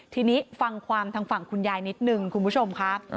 ทีนี้ฟังความทางฝั่งคุณยายนิดนึงคุณผู้ชมค่ะ